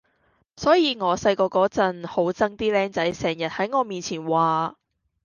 所以我細個嗰陣好憎啲儬仔成日喺我面前話